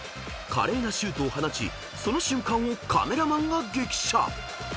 ［華麗なシュートを放ちその瞬間をカメラマンが激写］